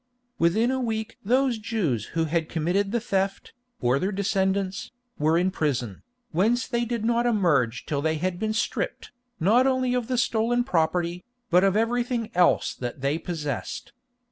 Within a week those Jews who had committed the theft, or their descendants, were in prison, whence they did not emerge till they had been stripped, not only of the stolen property, but of everything else that they possessed.